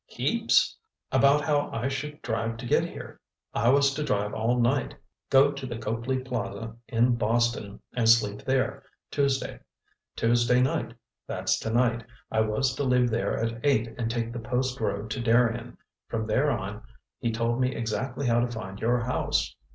"Heaps. About how I should drive to get here. I was to drive all night, go to the Copley Plaza in Boston and sleep there Tuesday. Tuesday night—that's tonight, I was to leave there at eight and take the Post Road to Darien. From there on, he told me exactly how to find your house.